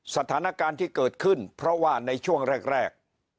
สถานการณ์ที่เกิดขึ้นเพราะว่าในช่วงแรก